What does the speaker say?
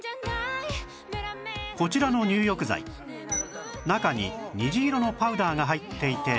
こちらの入浴剤中に虹色のパウダーが入っていて